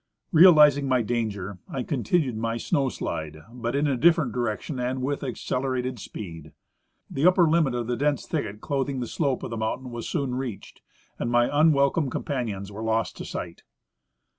Realizing my danger, I continued my snow slide, but in a different direction and with accelerated speed. The upper limit of the dense thicket clothing the slope of the mountain was soon reached, and my unwelcome companions were lost to sight.